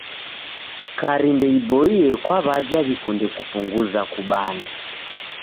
Sukari ndeiboie kwa w'aja w'ikunde kupunguza kubanda.